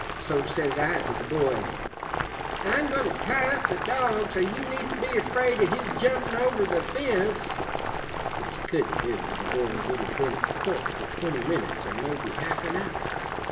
So says I to the boy, 'I'm goin' to tie up the dog, so you needn't be afraid of his jumpin' over the fence' which he couldn't do, or the boy would have been a corpse for twenty minutes, or maybe half an hour.